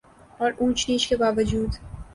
اور اونچ نیچ کے باوجود